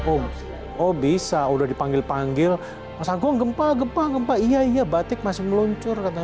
om om bisa udah dipanggil panggil masangkong gempa gempa ngempa iya iya batik masih meluncurkan